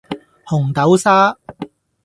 紅豆沙